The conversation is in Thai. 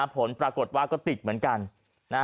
ผลปรากฏว่าก็ติดเหมือนกัน